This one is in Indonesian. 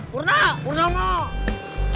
purna purna mau